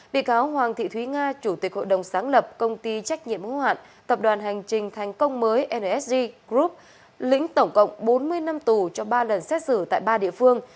bị cáo hoàng thị thúy nga chủ tịch hội đồng sáng lập công ty trách nhiệm hữu hạn tập đoàn hành trình thành công mới nsg group lĩnh tổng cộng bốn mươi năm tù cho ba lần xét xử tại ba địa phương